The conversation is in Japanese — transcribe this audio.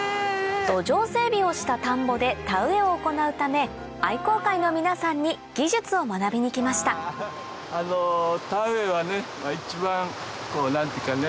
土壌整備をした田んぼで田植えを行うため愛耕会の皆さんに技術を学びに来ました田植えはね一番何ていうかね。